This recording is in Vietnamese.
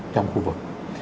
trong khu vực